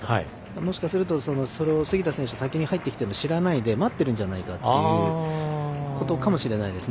もしかすると先に入ってきているの知らないで待ってるんじゃないかということかもしれないですね。